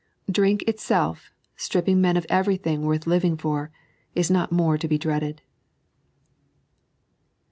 Drink iteelf, stripping men of everything worth living for, is not more to be dreaded.